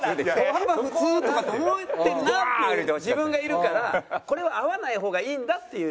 歩幅普通とかって思ってるなっていう自分がいるからこれは会わない方がいいんだっていう。